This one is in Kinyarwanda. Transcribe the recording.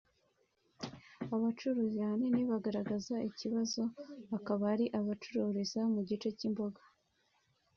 Abacuruzi ahanini bagaragaza iki kibazo akaba ari abacururiza mu gice cy’imboga